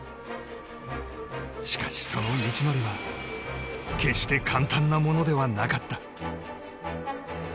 しかし、その道のりは決して簡単なものではなかった。